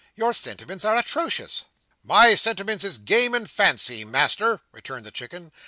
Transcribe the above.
Your sentiments are atrocious." "My sentiments is Game and Fancy, Master," returned the Chicken.